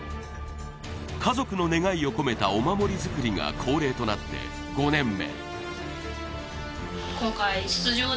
家族の願いを込めたお守り作りが恒例となって５年目。